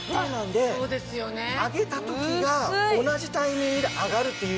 揚げた時が同じタイミングで揚がるっていうのが。